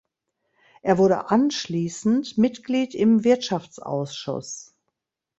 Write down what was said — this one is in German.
Er wurde anschließend Mitglied im Wirtschaftsausschuss.